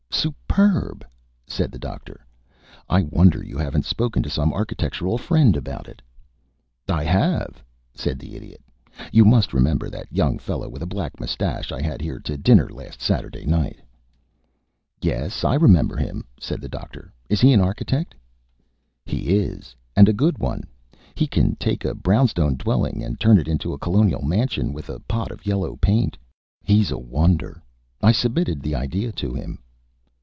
"Superb!" said the Doctor. "I wonder you haven't spoken to some architectural friend about it." "I have," said the Idiot. "You must remember that young fellow with a black mustache I had here to dinner last Saturday night." "Yes, I remember him," said the Doctor. "Is he an architect?" "He is and a good one. He can take a brown stone dwelling and turn it into a colonial mansion with a pot of yellow paint. He's a wonder. I submitted the idea to him."